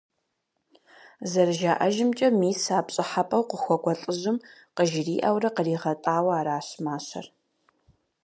Зэрыжаӏэжымкӏэ, мис а пщӏыхьэпӏэу къыхуэкӏуэ лӏыжьым къыжриӏэурэ къригъэтӏауэ аращ мащэр.